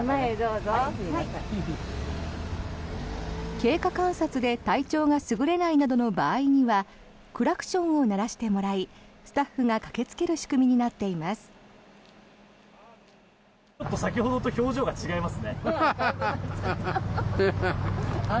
経過観察で体調が優れないなどの場合にはクラクションを鳴らしてもらいスタッフが駆けつける仕組みになっています。